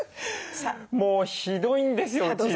もうひどいんですようちでは。